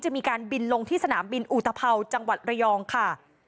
มีการบินลงที่สนามบินอุตภัวจังหวัดระยองค่ะ